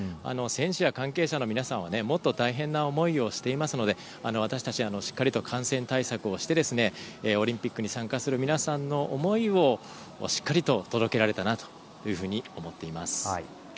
選手や関係者の皆さんはもっと大変な思いをされていますので私たちはしっかり感染対策をしてオリンピックに参加する皆さんの思いをしっかりと届けられたらなと思っています。